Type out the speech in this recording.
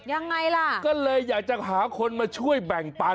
ยังไงล่ะก็เลยอยากจะหาคนมาช่วยแบ่งปัน